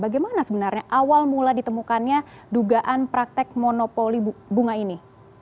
bagaimana sebenarnya awal mula ditemukannya dugaan praktek monopoli bunga ini